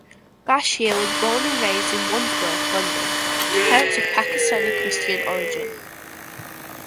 Bashir was born and raised in Wandsworth, London, to parents of Pakistani Christian origin.